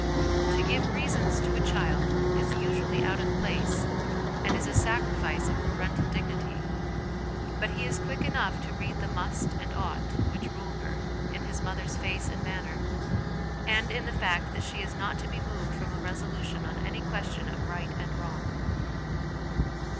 To give reasons to a child is usually out of place, and is a sacrifice of 1 6 HOME EDUCATION parental dignity ; but he is quick enough to read the 'must' and 'ought' which rule her, in his mother's face and manner, and in the fact that she is not to be moved from a resolution on any question of right and wrong.